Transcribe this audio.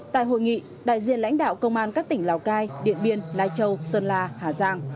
tại hội nghị đại diện lãnh đạo công an các tỉnh lào cai điện biên lai châu sơn la hà giang